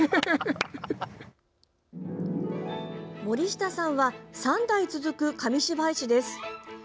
森下さんは３代続く紙芝居師です。